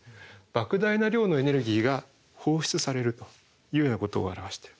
ばく大な量のエネルギーが放出されるというようなことを表してる。